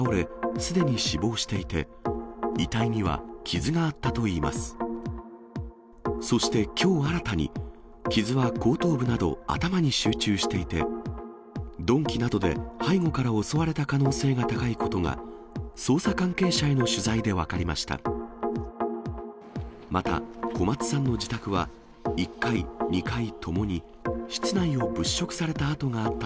そしてきょう、新たに傷は後頭部など頭に集中していて、鈍器などで背後から襲われた可能性が高いことが、捜査関係者への取材で分かりました。